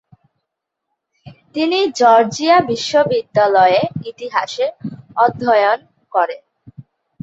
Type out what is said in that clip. তিনি জর্জিয়া বিশ্ববিদ্যালয়ে ইতিহাসে অধ্যায়ন করেন।